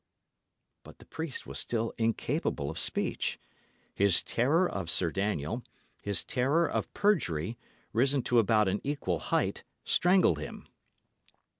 But the priest was still incapable of speech. His terror of Sir Daniel, his terror of perjury, risen to about an equal height, strangled him.